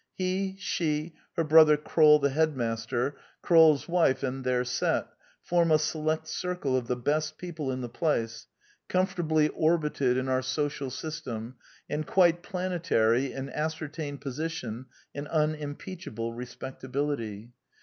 He, she, her brother KroU the headmaster, KrolFs wife, and their set, form a select circle of the best people in the place, comfortably orbited in our social system, and quite planetary in ascertained position and unimpeachable respectability.